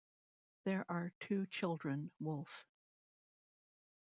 There are two children, Wolf